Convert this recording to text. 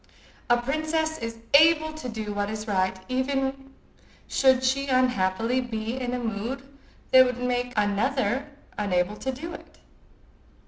A princess is able to do what is right even should she unhappily be in a mood that would make another unable to do it.